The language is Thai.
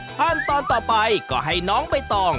ขั้นตอนต่อไปก็ให้น้องใบตอง